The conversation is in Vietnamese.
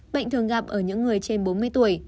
bệnh thường gặp ở những người trên bốn mươi tuổi